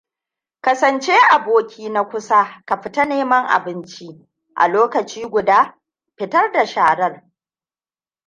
Kasance aboki nakusa ka fita neman abinci. A lokaci guda, fitar da sharan.